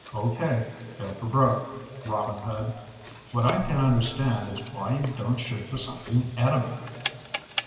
"Okay. Go for broke, Robin Hood. What I can't understand is why you don't shoot for something edible."